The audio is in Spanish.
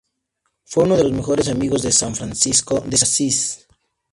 Fue uno de los mejores amigos de san Francisco de Asís.